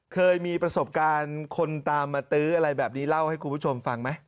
เคยมีประสบการณ์คนตามมาตื้ออะไรแบบนี้เล่าให้คุณผู้ชมฟังไหม